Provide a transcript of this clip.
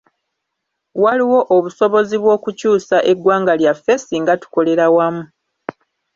Waliwo obusobozi bw’okukyusa eggwanga lyaffe ssinga tukolera wamu.